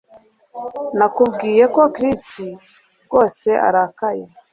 Nakubwiye ko Chris rwose arakaye